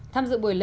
tham dự buổi lễ